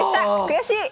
悔しい！